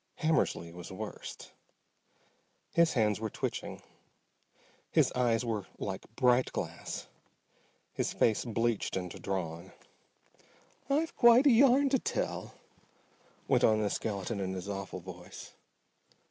Hammersly was worst. His hands were twitching, his eyes were like bright glass, his face bleached and drawn. "I've quite a yarn to tell," went on the skeleton in his awful voice.